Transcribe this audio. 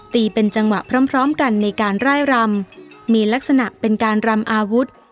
เป็นจังหวะพร้อมพร้อมกันในการร่ายรำมีลักษณะเป็นการรำอาวุธ